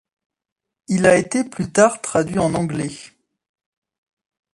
Il a été plus tard traduit en anglais.